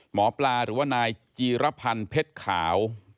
หมอปลาหรือว่านายจีรพันธ์เพชรขาว